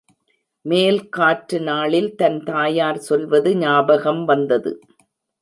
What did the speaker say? மேல்காற்று நாளில் தன் தாயார் சொல்வது ஞாபகம் வந்தது.